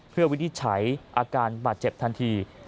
เพื่อวินิจฉัยอาการบาดเจ็บทันที